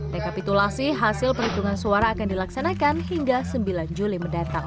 rekapitulasi hasil perhitungan suara akan dilaksanakan hingga sembilan juli mendatang